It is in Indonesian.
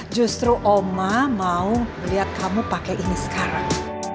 justru oma mau lihat kamu pakai ini sekarang